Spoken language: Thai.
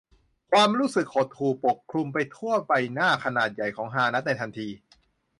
ความรู้สึกหดหู่ปกคลุมไปทั่วใบหน้าขนาดใหญ่ของฮานัดในทันที